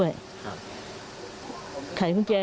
ลูกสาวกันโตเข้าไปทำงานแล้ว